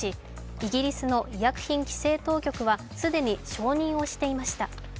イギリスの医薬品規制当局は既に承認をしていました。